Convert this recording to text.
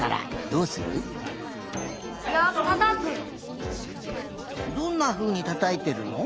どんなふうにたたいてるの？